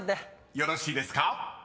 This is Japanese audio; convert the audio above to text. ［よろしいですか］